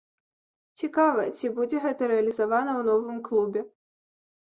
Цікава, ці будзе гэта рэалізавана ў новым клубе?